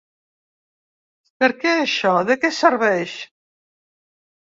Perquè això, ¿de què serveix?